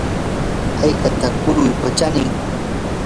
¿haykataq quripa chanin?